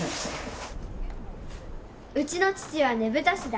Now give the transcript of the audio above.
うちの父はねぶた師だ。